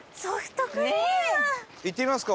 行ってみますか？